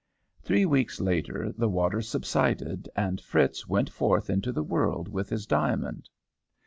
"Three weeks later the waters subsided, and Fritz went forth into the world with his diamond."